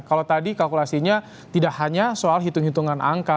kalau tadi kalkulasinya tidak hanya soal hitung hitungan angka